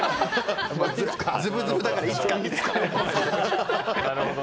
ズブズブだから、いつか。